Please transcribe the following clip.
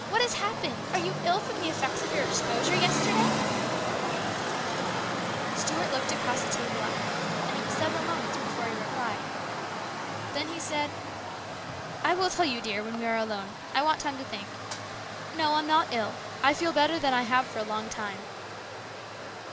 What has happened ? Are you ill from the effects of your exposure yesterday ?" Stuart looked across the table at her, and it was several moments before he replied. Then he said :" I will tell you, dear, when we are alone. I want time to think. No, I am not ill. I feel better than I have for a long time."